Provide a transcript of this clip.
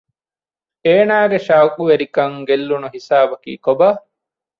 އޭނާގެ ޝައުޤުވެރިކަން ގެއްލުނު ހިސާބަކީ ކޮބާ؟